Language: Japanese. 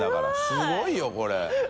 すごいよこれ。